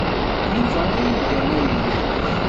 D Yuba ay igan ayen.